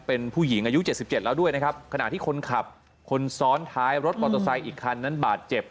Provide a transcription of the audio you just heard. เป็นผู้หญิงอายุ๗๗แล้วด้วยนะครับขณะที่คนขับคนซ้อนท้ายรถมอเตอร์ไซค์อีกคันนั้นบาดเจ็บ